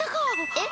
えっ？